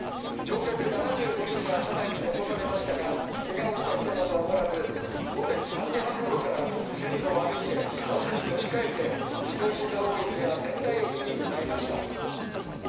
乗客７５人が車内に残されましたが怪我をした人などはおらず午前３時半ごろから線路を歩いてバスに乗り換えて白石蔵王駅や仙台駅に向かいました。